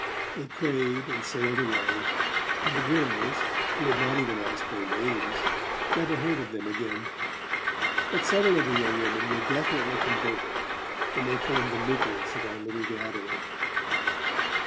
They prayed and sailed away, and the girls, who had not even asked their names, never heard of them again. But several of the young women were definitely converted, and they formed the nucleus of our little gathering.